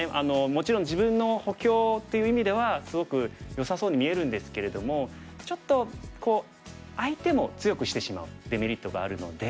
もちろん自分の補強っていう意味ではすごくよさそうに見えるんですけれどもちょっと相手も強くしてしまうデメリットがあるので。